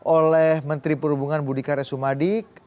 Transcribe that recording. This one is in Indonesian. oleh menteri perhubungan budi karya sumadi